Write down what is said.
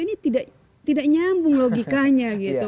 ini tidak nyambung logikanya gitu